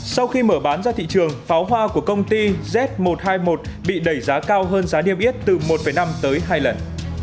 sau khi mở bán ra thị trường pháo hoa của công ty z một trăm hai mươi một bị đẩy giá cao hơn giá niêm yết từ một năm tới hai lần